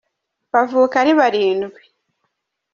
bavuka ari barindwi.